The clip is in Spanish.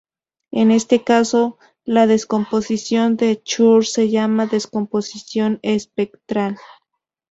En este caso, la descomposición de Schur se llama descomposición espectral.